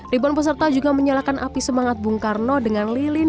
ribuan peserta juga menyalakan api semangat bung karno dengan lilin